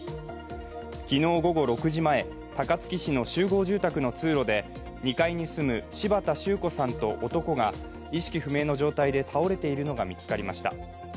昨日午後６時前、高槻市の集合住宅の通路で２階に住む柴田周子さんと男が意識不明の状態で倒れているのが見つかりました。